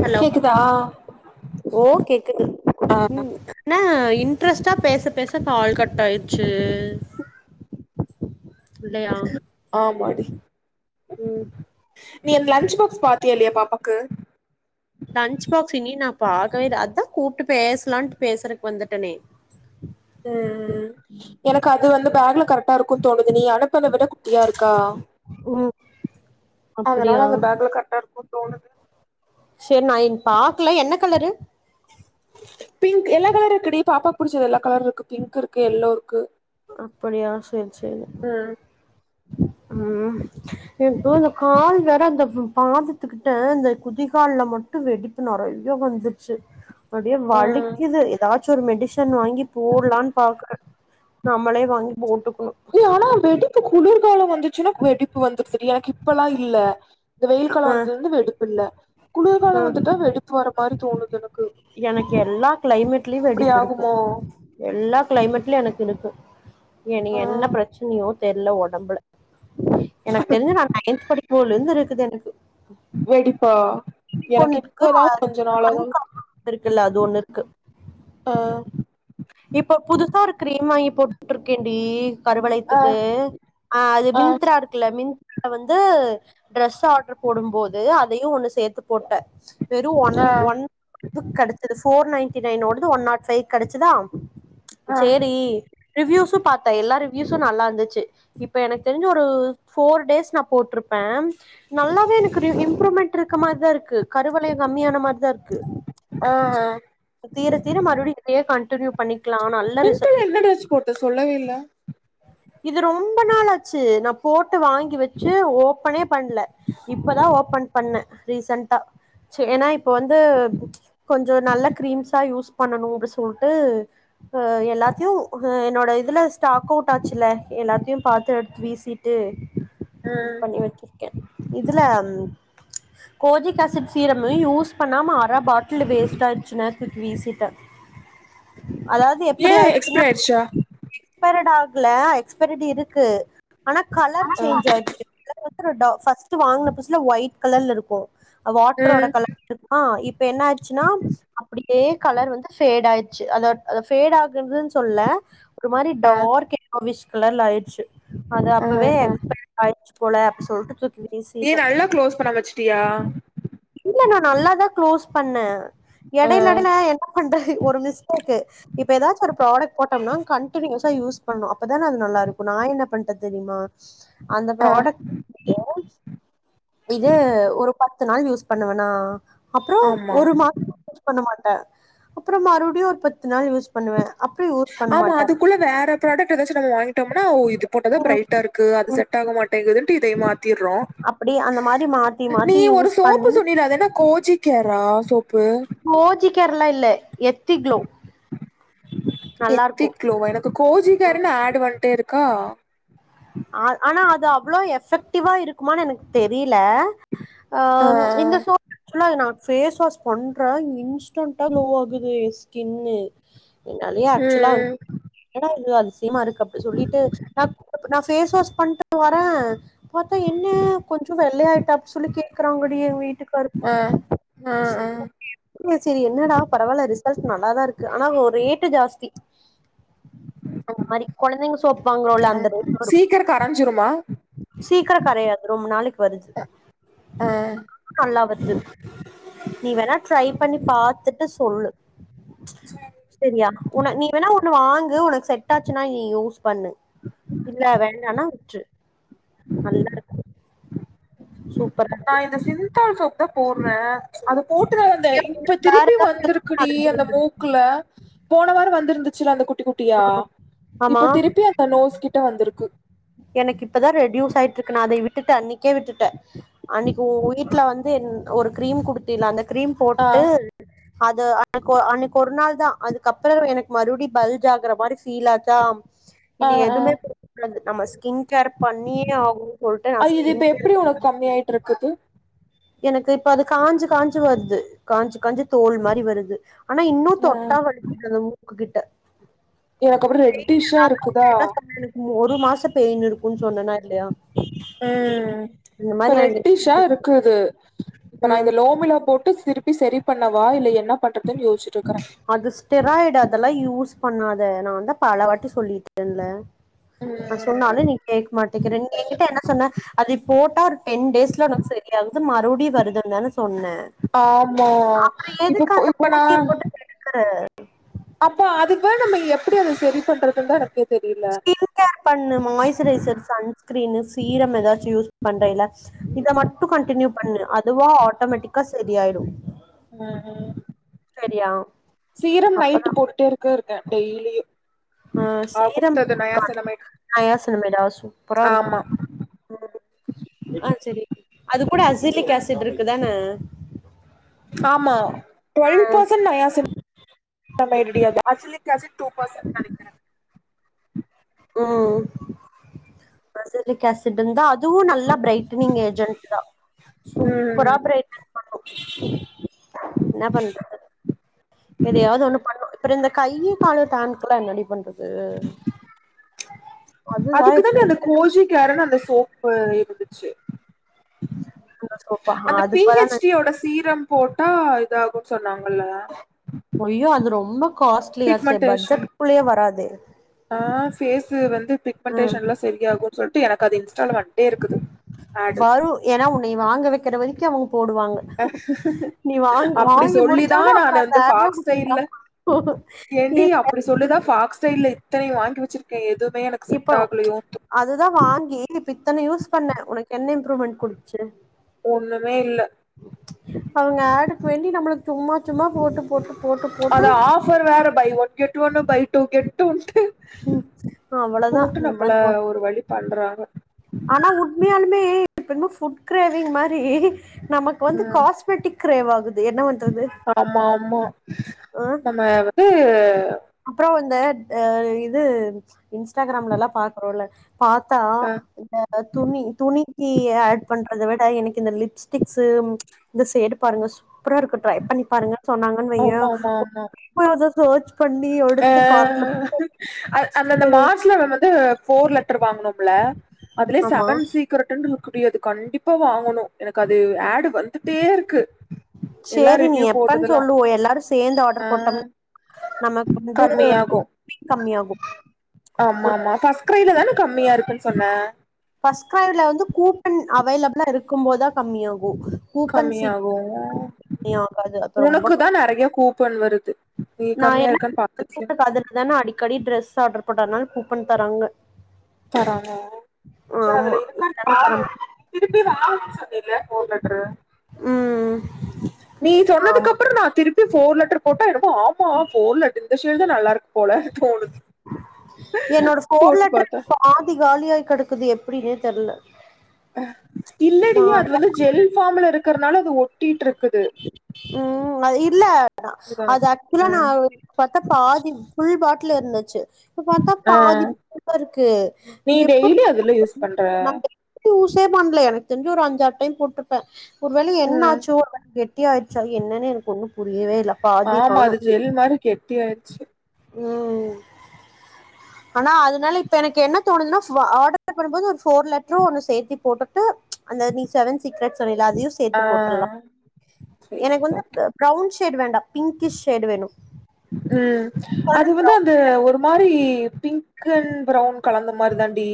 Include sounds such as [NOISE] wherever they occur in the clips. Hello கேக்குதா ஓ கேக்குது ஆ ம் ன்ன இன்ட்ரஸ்ட்டா பேச பேச கால் கட் ஆய்டுச்சி ஆமாடி ம் நீ லன்ச்பாக்ஸ் பாத்தியா இல்லையா பாப்பாக்கு லன்ச் பாக்ஸ் இனி நா பாக்கவேல்ல அதா கூப்ட்டு பேசலான்ட்டு பேசுறக்கு வந்துட்டனே [INAUDIBLE] உம்ம் எனக்கு அது வந்து பேக்ல கரெக்டா இருக்கு தோணுது நீ அனுப்பன விட குட்டியா இருக்கா ம் அதனால அப்டியா அந்த பேக்ல கரெக்டா இருக்குன் தோணுது ச்சேர் நா இன் பாக்கல என்ன கலரு பிங்க் எல்லா கலர் இருக்குடி பாப்பாகு புடிச்சது எல்லா கலர் இருக்கு பிங்க் இருக்கு எல்லோ இருக்கு அப்படியா சேரி சேரி ம் ம் இப்போ இந்த கால் வேற இந்த ப்ம் பாதத் த்துக்கிட்ட இந்த குதிகால்ல மட்டு வெடிப்பு நறையா வந்துச்சு அப்டியே ம் வழிக்குது ஏதாச்சு ஒரு மெடிசன் வாங்கி போட்லான் பாக்குறே நம்மளே வாங்கி போட்டுக்கணு ஆனா வெடிப்பு குளிர்காலோ வந்து ச்சுனா வெடிப்பு வந்தரு செரியா எனக்கு இப்பெல்லா இல்ல இந்த வெயில் காலோ ஆ வந்ததுல இருந்து வெடிப்பு இல்ல குளிர்காலோ வந்துட்டா வெடிப்பு வர மாரி தோணுது எனக்கு எனக்கு எல்லா கிளைமேட்லயு இப்டி வெடிப்பு இருக்கு ஆகுமோ எல்லா கிளைமேட்ல எனக்கு இருக்கு ஏ நீ ம் என்ன ப்ரச்சயோ தெரியல ஒடம்புல எனக்கு தெரிஞ்சு நா நயன்த் படிக்குபோதுல இருக்குது எனக்கு வெடிப்பா வெடிப்பு எனக்கு ஒண்ணு இருக்கு இப்பதா அ கொஞ்ச நாளா தா கண் காமாலை இருக்குல்ல அது ஒண்ணு இருக்கு ஆ இப்ப புதுசா ஒரு கிரீம் வாங்கி போட்டுட்டிருக்கேண்டி ஆ கருவளயத்துக்கு ஆ அது மிந்த்ரா இருக்குல்ல மிந் நா வந்து ட்ரெஸ் ஆர்ட்ர் போடும் போது அதையு ஒண்ணு சேத்து போட்டே வெறு ஒன் ஆ ஒன் துக்கடச்சிது ஃபோர்நைன்டி நைனோடது ஒன் நாட்ஃபை கிடச்சிதா ஆ ச்சேரி ரிவ்யூஸு பாத்த எல்லாரு யூசு நல்லா இருந்துச்சு இப்ப எனக்கு தெரிஞ்சு ஒரு ஃபோர்டேஸ் நா போட்ருப்ப நல்லாவே எனக்கு ரிவியு இம்ப்ரூமண்ட் இருக்க மாறிதா இருக்கு கருவலயம்கம்மியான மாறிதா இருக்கு ஆ க்கு தீர தீர மறுபடியு இதயே கண்டின்யூ பண்ணிக் பிங்க்லஎன்ன ட்ரெஸ் போட்ட சொல்லவே இல்ல இது ரொம்ப நாளாச்சு நா போட்டு வாங்கி வச்சு ஓப்பனேப் பண்ல இப்பதா ஓபன் பண்ண ரீசண்டா செ நா இப்ப வந்து கொஞ்சோ நல்ல கிரீம்ஸா யூஸ் பண்ணணு அப்டி சொல்ட்டு ஹ எல்லாத்தையு ஹ என்னோட இதுல ஸ்டாக் கூட்டாச்சுல்ல எல்லாத்தையு பாத்து எடுத்து வீசி ட்டு இது ம் பண்ணி வச்சிருக்கே இதுல கோஜிக் ஆசிட் சீரம்மு யூஸ் பண்ணாம அர பாட்டில் வேஸ்ட் ஆயிருச்சு நேத்து வீசிட்ட அதாவ்து ஏ எப்டி எக்ஸ்பிரி ஆயிச்சுன்னா ஆயிடுச்சா எக்ஸ்பரட் ஆகல எக்ஸ்பரட் இருக்கு ஆனா கலர் ஆ சேஞ்ச் ஆயிருச்சு [UNINTELLIGIBLE] ஃபர்ஸ்ட் வாங்கின புதுசுல ஒயிட் கலர்ல இருக்கு வாட்டரோட ம் கலர் அத்த்தா இப்ப என்ன ஆச்சுனா அப்டியே கலர் வந்து ஃபேட் ஆயிச்சு அத அத ஃபேட் ஆகுறதுன் சொல்ல ஒரு மாரி ஆ டார்க் எல்லோவிஸ் கலர்ல ஆயிச்சு அத ஆ அப்பவே ஆ எக்ஸ்பரைடு ஆயிச்சு போல அப்டி சொல்ட்டு தூக்கி நீ வீசிட்டே நல்லா க்ளோஸ் பண்ண வச்சுட்டியா இல்ல நா நல்லாதா க்ளோஸ் பண்ண ஆ எடைல எடைல என்ன பண்ற ஒரு மிஸ்டேக்கு இப்ப எதாச்சு ஒரு ப்ராடக்ட் போட்டம்னா கண்டினியூஸ் தா யூஸ் பண்ணு அப்பதான அது நல்லாருக்கு நா என்ன பண்ணிட்ட தெரிமா அந்த ஆ ப்ராடக்ட் ஏன் இது ஒரு பத்து நாள் யூஸ் பண்ணுவனா அப்றோ ஆமா ஒரு மாசத்துக்கு யூஸ் பண்ண மாட்ட அப்றோ மறுபடியு ஒரு பத்து நாள் யூஸ் பண்ணுவே அப்றோ யூஸ் பண்ண ஆமா மாட்டே அதுக்குள்ள வேற ப்ராடக்ட் எதாச்சும் நம்ம வாங்கிட்டோம்னா இது போட்டதா பிரைட்டா இரு க்கு அது செட் ஆக மாட்டேங்குதுன்ட்டு இதை மாத்திர்றோ அப்டி அந்த மாரி மாத்தி நீ மாத்தி ஒரு யூஸ் சோப்பு பண்ணி சொன்னில்ல அது என்ன கோஜி கேரா சோப்பு கோஜி கேரெல்லா இல்ல எத்திக்ளோ நல்லா எத்தி இருக்கு க்ளோவா எனக்கு கோஜிகெருன்னு ஆட் வந்துட்டே இருக்கா ஆ ஆனா அது அவ்ளோ எஃபெக்டிவா இருக்குமானு எனக்கு தெரில அ ஆ இந்த சோ ஆக்சுலா நா ஃபேஸ் வாஷ் பண்ற இன்ஸ்டன்டா குளோ ஆகுது ஸ்கினு என்னாலயே ஆக்சுலா வ ம் என்னடா இது அதிசியமா இருக்கு அப்டி சொல்லிட்டு ந நா ஃபேஸ் வாஷ் பண்ட்டு வ ஆ பாத்தா என்ன கொஞ்சோ வெள்ள ஆயிட்ட அப்டி சொல்லி கேக்கறாங்க எ வீட்டு அ அ அ ம் சேரி என்னடா பரவால ரிசல்ட் நல்லாதா இருக்கு ஆனா ஒரு ரேட்டு ஜாஸ்தி அந்த மாரி கொழந்தைங்க சோப் வாங்குரோல்ல அந்த ஆமா ரேட்டு வரு சீக்கிர கரஞ்சிருமா சீக்கிரோ கரையாது ரொம்ப நாளைக்கு வருது ஆ நல்லா வந்துது நீ வேணா ட்ரைப் பண்ணி பாத்துட்டு சொல்லு சரியா உன நீ வேணா ஒண்ணு வாங்கு உனக்கு செட்டாச்சுனா நீ யூஸ் பண்ணு இல்ல வேண்டானா விட்று நல்லாருக்கு சூ நா இந்த சிந்தால் சோப்தா போட்ற அத போட்டுத வந்த ஏ- இப்ப உனக்கு வேற திருப்பி ஏதாவது இருக்குன்னா வந்திருக்குடி அதை அந்த சொல்லு. மூ க்குல போனவாரோ வந்திருந்துச்சுல்ல அந்த குட்டி குட்டியா ஆமா இப்ப திருப்பி அந்த நோஸ் கிட்ட வந்திருக்கு எனக்கு இப்பதா ரெடியூஸ் ஆயிட்டு இருக்கு நா அத விட்டுட்ட அன்னைக்கே விட்டுட்ட அன்னைக்கு உன் வீட்ல வந்து ஒரு கிரீம் குடுத்தியல்ல அந்த கிரீம் ஆ போட்டு அது அன்னைக்கு அன்னைக்கு ஒரு நாள்தா அதுக்கப்றோ எனக்கு மறுபடி பல்ஜ் ஆகுற மாரி ஃபீல் ஆச்சா ஆ இனி ஆ எதுமே போடக்கூடாது நம்ம ஸ்கின் கேர் பண்ணி ஆகணுனு சொல்லிட்ட நா ஸ்கின் கேர் பண்ணனு மணி ஆயிட்டு இருக்குது எனக்கு இப்ப அது காஞ்சு காஞ்சு வருது காஞ்சு காஞ்சு தோல் மாரி வருது ஆனா இன்னு ஆ தொட்டா வலிக்குது அந்த மூக்கு கிட்ட எனக்கு அப்றோ ரெட்டிஷ்ஷா நான்தா இருக்குதா உங்ககிட்ட சொன்னே எனக்கு ஒரு மாசோ பெயின் இருக்குனு சொன்னனா இல்லையா ம் இந்த இப்ப மாரி எனக்கு ரெட்டிஷா இரு க்குது இது இப்ப நா ம் இத லோமிலா போட்டு திருப்பி செரி பண்ணவா இல்ல என்ன பண்றதுன்னு யோசிச்சிட்டு இக்கற அது ஸ்டெராய்டு அதெல்லா யூஸ் பண்ணாத நான்தா பல வாட்டி சொல்லிட்டேன்னல்ல நா ம் சொன்னாலு நீ கேட்க மாட்டீக்கிற நீ என்கிட்ட என்ன சொன்ன அது போட்டா டென் டேஸ்ல உனக்கு சரியாகுது மறுவடி வருதுனுதான சொன்ன ஆமா இப் இப்ப நா க்கரா அப்ப அதுக்கு பதில் நம்ம எப்டி அத சரி பண்றது தா எனக்கு ஸ்கின் கேர் பண்ணு மாய்ஸ்சுரைசர் சன்ஸ்கிரீனு சீரம் ஏதாச்சு யூஸ் பண்றேல இத மட்டு கண்டினியூ பண்ணு அதுவா ஆட்டோமேட்டிக்கா சரியாயிடு ம் ம் சரியா சீரம் அப்பதா நைட்டு் போட்டுட்டே இருக்க இருக்கே டெய்லியு ஆ அவ சீரம் குடுத்தது நயாசனமைடு நயாசின்னமைடா சூப்பரா இருக்கு ஆமா ம் ஆ செரி அது கூட அசிலிக் ஆசிட் இருக்குதானே ஆமா டுவெல் பர்சன்ட் நயாசின்னமைட் டி அது அசிலிக் ஆசிட் டூ பர்சன்ட் நெனைக்கிறே ம் அசிலிக் ஆசிடு தா அ அதுவு நல்லா பிரைட்டனிங் ஏஜென்ட் தா சூப்பரா ம் பிரைட்டன் பண்ணு என்ன பண்ற எதையாவது ஒண்ணு பண்ணு அப்றோ இந்த கையு காலு டேன்க்கல்லா என்னடி பண்றது அதுதா அதுக்குதாண்டி இப்போ அந்த கோஜிக் கேர்ன்னு அந்த சோப்பு இருந்துச்சு அந்த சோஃபா அந்த பி அதுக்குபதா நா ஹெச் டி யோட சீரம் போட்டா இதாகுன்னு சொன்னாங்கல்ல ஐயோ அது ரொம்ப காஸ்ட்லியாச்சே பிக்மெண்டேஷன் பட்ஜெட்குள்ளேயே வராதே ஆ பேஸு வந்து ம் பிக்மெண்டடேஷன் எல்லா சரியாகுனு சொல்ட்டு எனக்கு அது இன்ஸ்டால்ல வன்டே இருக்குது ஆடு வரு ஏன்னா உன்னைய வாங்க வைக்கிற வரைக்கு அவங்க போடுவாங்க நீ வாங்கி அப்டி வாங்கி சொல்லிதா முடிச்சோனே நா அப்புறோ னு அந்த ஆடே ஃபாக்ஸ் உனக்கு ஸ்டைல்ல இல்லாம போகு ஏடி இல்ல அப்டி சொல்லிதா ஃபாக்ஸ் ஸ்டைல இத்தனை வாங்கி வச்சிருக்க எதுமே எனக் இப்ப அதுதா வாங்கி இப்ப இத்தன யூஸ் பண்ண உனக்கு என்ன இம்ப்ரூவ்மெண்ட் கொடுத்துச்சு ஒண்ணுமே இல்ல அவங்க ஆடுக்கு வேண்டி நம்மளுக்கு சும்மா சும்மா போட்டு போட்டு போட்டு அது ஆஃபர் வேற பை ஒன் கெட் ஒன்னு பை டூ கெட் டூன்ட்டு ம் அவ்வளோதா போட்டு இந்த நம்மள மாரி போட் ஒரு வழி பண்றாங்க ஆனா உண்மையாலுமே இப்போ என்னமோ ஃபுட் கிரேவிங் மாரி நமக்கு வந்து ம் காஸ்மெட்டிக் கிரேவ் ஆகுது என்ன பண்றது ஆமா ஆமா நம்ம வந்து அப்றோ அந்த அ இது இன்ஸ்டாகிராம்ல எல்லா பாக்குறோல பாத்தா அ இந்த துணி துணிக்கு ஆட் பண்றத விட எனக்கு இந்த லிப்ஸ்டிக்ஸு இந்த ஷேடு பாருங்க சூப்பரா இருக்கு ட்ரை பண்ணி பாருங்க சொன்னாங்கன்னு வையே ஆமா ஆமா ஆமா போதோ சோச் பண்ணி ஒ அ அந் அந்தந்த எது மார்சல நம்ம வந்து ஃபோர் லெட்டர் வாங்கனும் பிலே அதுலே ஆமா செவன் சீக் கரெக்ட் டிரண்ட்லுக்குரியது அது கண்டிப்பா வாங்கணு எனக்கு அது ஆட் டு வந்துட்டே இருக்கு எல்லா சேரி நீ ரிவ்யூ எப்பன்னு போட்டதெல்லா சொல்லுவோ எல்லாரு சேர்ந்து ஆ ஆர்டர் போட்டோம் நமக்கு வந்து கம்மியாகு கம்மியாகு ஒரு ஆமா ஆமா ஃபர்ஸ்ட் க்ரைல தான கம்மியா இருக்குன்னு சொன்ன ஃபர்ஸ்ட் கிரைல வந்து கூப்பன் அவைலபிளா இருக்குபோதா கம்மியாகு கூப்பன் சீல் கம்மியாகு கம்மியாகாது அப்ப ரொம்ப உனக்கு தா நெறைய கூப்பன் வருது நீ நா கம்மியா இருக்கான்னு பாத்துட்டு சொல் எனக்கு அதுலதானே அடிக்கடி ட்ரெஸ் ஆர்டர் பண்றனால கூப்பன் தராங்க தராங்க செரி அதுல ஆமா இருக்கான்னு இல்லனா பாரு தரமாட் திருப்பி வேற போர் லெட்டரு ம்ம் நீ சொன்னதுக்கப்பறோ நா திருப் போர் லெட்டர் போட்டா எனக்கு ஆமா போர் லெர் இந்தஷல் தா நல்லா இருக்கு போல தோணுது என்னோட போஃர் போட்டு லெட்டரு பார்த்தா இப்ப ஆதி காலியாய் கெடக்குது எப்டினே தெர்ல இல்லடிா அது வந்து ஜெல் ஃபார்ம்ல இருக்கிறனால அது ஒட்டிட்டு இருக்கு ம் அது இல்ல இதான் அது ஆக்சுவலா நா ம். பாத்தா பாதி ஃபுல் பாட்டில் இருந்துச்சு இப்ப பாத்தா ஆ. பாதி இருக்கு நீ எப்ப [INAUDIBLE] டெய்லி அதுல யூஸ் பண்ற யூசே பண்ணல எனக்கு தெரிஞ்சு ஒரு அஞ்ச ஆறு டைம் போட்டிருப்பே ஒரு வேளை என்ன ம். ஆச்சோ [INAUDIBLE] தி ஆயிடுச்சா என்னன்னு எனக்கு ஒன்னு புரியவே இல்ல பாதி ஆமா காணு அது ஜெல் மாதிரி கெட்டி ஆயிடுச்சு ம் ஆனா அதனால இப்ப எனக்கு என்ன தோணுதுன்னா ஆர்டர் பண்ணும்போது ஒரு போர் லெட்டரு ஒண்ணு சேத்தி போட்டுட்டு அந்த நீ செவன் சீக்ரெட் சொன்னில அதையு ஆ சேத்து போட்டுரலா சரி எனக்கு ஓகே வந்து ப்ரவுன் ஷேட் வேண்டா‌பிங்கிஷ் ஷேட் வேணு ம் அது சொல்றது வந்து அந்த ஒரு மாரி பிங்க் அண்ட் ப்ரவுன் கலர்ந்த மாரி தான்டி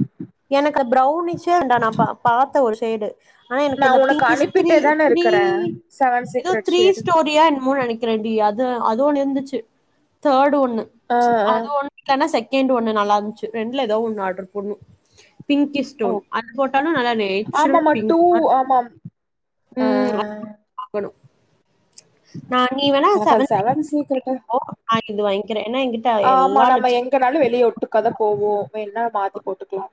ம் ச எனக்கு பிர்ரௌனிஷே ண்டா நா பா பாத்த ஒரு சைடு ஆனா எனக்கு அந்த நான் உனக்கு பிங்க்ஷ் அனுப்பிட்டே தானே திரீ இருக்கிறேன் செவன் ஏதோ சீக்ரெட் ஷேடு திரீஸ்டோரியான் என்னமோ நெனைக்கற கென்டி அது அது ஒண்ணு இருந்துச்சு தேர்டு ஒண்ணு ஆ ஆ அது ஒண்ணு இல்லன்னா செகண்ட் ஒன்னு நல்லா இருந்துச்சு ரெண்டுல ஏதாவ ஒன்னு ஆர்டர் போட்ணு பிங்கிஷ் ஓ ஸ்டோன் அது போட்டாலு நல்லா நேச்சுரல் ஆமாமா. பிங்க் ஆமாம். ஆ ம் [INAUDIBLE] நா நீ வேணா எனக்கு அது சவன் சீக்ரெட்டு. [INAUDIBLE] இது வாங்கிக்கிறே ஏனா ஆமா நம்ம எங்கனாலு வெளியே ஒட்டுக்காத்தா போவோ வேனும்னா மாத்தி போட்டுக்லா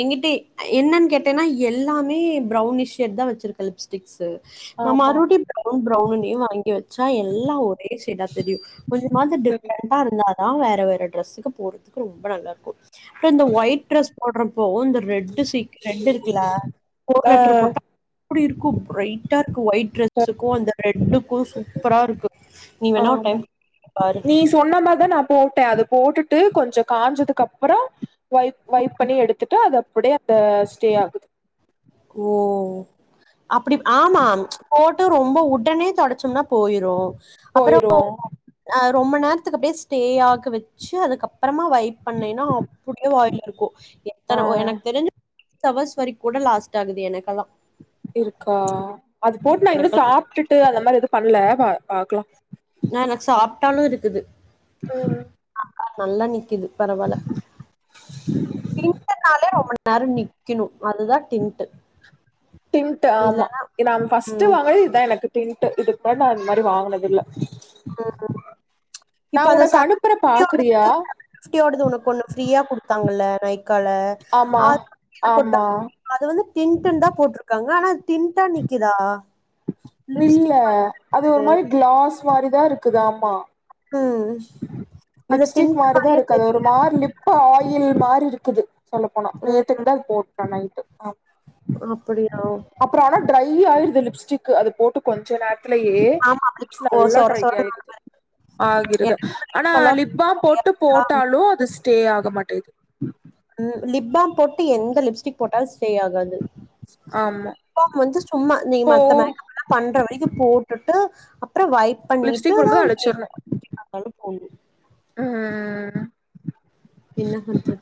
எங்கிட்ட என்னன்னு கேட்டேன்னா எல்லாமே பிரௌனிஷ் ஷேட் தா வெச்சிருக்க லிப்ஸ்டிக் ஸேட்ஸு நா ஆமாமா. மறுபடியு ப்ரௌவ்ன் ப்ரௌன்னே வாங்கி வச்சா எல்லா ஒரே சேடா தெரியு கொஞ்சமாது சரி. டிப்ரண்டா இருந்தா‌ தா வேற வேற ட்ரெஸ்க்கு போறதுக்கு ரொம்ப நல்லா இருக்கு அப்றோ இந்த ஒயிட் ட்ரெஸ் போட்றப்போ இந்த ரெட்டு சீ ரெட்டு இருக்குல கோட் ஆ லெட்டரு போட்டா அப்டி இருக்கு பிரைட்டா இருக்கும் ஒயிட் சரி. ட்ரெஸ்ஸுக்கும் அந்த ரெட்டுக்கு சூப்பரா இருக்கு நீ வேணா ஒரு டைம் பாரு சொன்னமார்தா நா போட்ட அது போட்டுட்டு கொஞ்சோ காஞ்சதுக்கு அப்பறோ வைப் வைப் பண்ணி எடுத்துட்டு அது அப்டியே அந்த ஸ்டே ஆகுது ஓ அபபடி ஆமா போட்டு ரொம்போ உடனே தொடைச்சம்னா போயிரு அப்புறோ போயிரு ரொம்ப நேரத்துக்கு அப்டியே ஸ்டே ஆக வெச்சு அதுக்கப்பறமா வைப் பண்ணேன்னா அப்டியே வாய்லருக்கு ஆ எத்தன எனக்கு தெரிஞ்சி சிக்ஸ் ஹவர்ஸ் வரிக் கூட லாஸ் ஆகுது எனக்கெல்லா இருக்கா அது போட்டு நா இன்னு எனக்கெல்லா சாப்ட்டுட்டு அந்த மாரி எது பண்ல பாக்கலா நா எனக்கு சாப்ட்டாலு இருக்குது ம் ம் அநல்லா நிக்குது பரவால்ல பிங்க்னாலே ரொம்ப நேரோ நிக் கிணு அதுதா டின்டு டின்ட்டு ஆமா இத் நா ஃபஸ்ட்டு ம் வாங்குனது இதா எனக்கு டின்ட்டு இதுக் முன்னாடி நா இந்த மாரி வாங்கினது இல்ல நா உனக் அனுப் ப்ற பாக்குறியா ஸ்கியோடது உனக்கு ஒண்ணு ஃப்ரீயா குடுத்தாங்கல்ல நைக்கால ஆமா அத் எனக் ஒரு ஆமா டவுட்டு அது வந்து டின்டுன்தா போட்டிருக்காங்க ஆனா அத் டின்டா நிக்கிதா இல்ல அது ஒரு மாரி கிளாஸ் மாரி தா இருக்குதமா ம் அது லிப்ஸ்டிக் தின்ட்ட மாரிதா மாரியே இருக்கு அது தெரியு ஒரு மாரி லிப் ப ஆயில் மாரி இருக்குது சொல்ல போனா ம் நேத்தைக்தா அத் போட்ட நைட்டு அப்படியா அப்ற ஆனா ட்ரை ஆயிடுது லிப்ஸ்டிக் அது போட்டு கொஞ்ச நே திலயே ஆமா லிப்ஸ் ஓ நல்லா சொர ட்ரை சொரன் ஆயிருது ஆகிறுது ஆனா லிப்பாம் போட்டு போட்டாலு அது ஸ்டே ஆக மாட்டேங் ம் லிப் பாம் போட்டு எந்த லிப்ஸ்டிக் போட்டாலு ஸ்டே ஆகாது ஆமா லிப் பாம் வந்து சும்மா நீ இப்போ மத்த மேக்கப்ல்லா பண்ற வரைக்கு போட்டுட்டு அப் அப்ற வைப் லிப்ஸ்டிக் பண்ணிட்டுதா போடும்போது அழிச்சிரணு நீங்கலு போடனு ம் ம் என்னப்பன்றது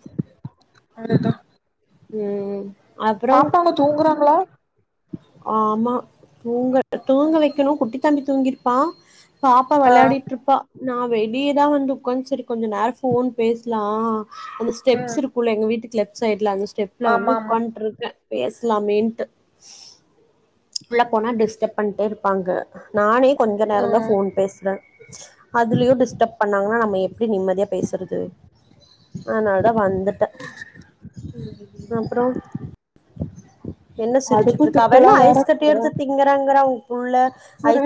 அதுதா ம் அப்புறோ பாப்பாங்க தூங்குறாங்ளா ஆம்மா தூங்க தூங்க வைக்கணு குட்டி தம்பி தூங்கிருப்பா பாப்பா ஆ விளையாடிட்ருப்பா நா வெளியதா வந்து உக்காஞ் செரி கொஞ்ச நேர போன் பேச்லா அந்த ஸ்டெப்ஸூ ம் இருக் உள்ள எங்க வீட்டுக்கு லெப்ட் சைட்ல அந்த ஸ்டெப்ல ஆமா வந்து ஆமா உக்கான்ருக்கே பேசலாமேன்ட்டு உள்ள போனா டிஸ்டர்ஃப் பண்டே இருப்பாங்க நானே கொஞ்ச நேரந்தா ம் போன் பேச்ற அதுலயு டிஸ்டப் பண் ணாங்னா நம்ம எப்டி நிம்மதியா பேசுறது அதனால அதா வந்துட்டே அப்றோ என்ன அடுப்பு சிரிச்சுட்ருக்க அவ என்ன திட்டெல்லா வேற ஐஸ் கட்டி எடுத்து திங்குறாங்கிற உம் புள்ள சரி